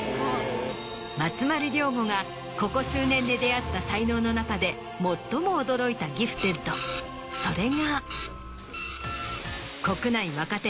松丸亮吾がここ数年で出会った才能の中で最も驚いたギフテッドそれが国内若手